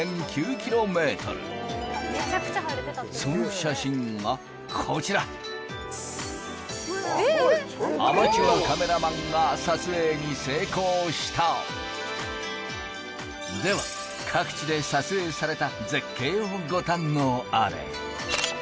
その写真がこちらアマチュアカメラマンが撮影に成功したでは各地で撮影された絶景をご堪能あれ・